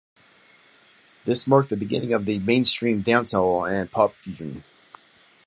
This marked the beginning of the mainstream dancehall and pop fusion.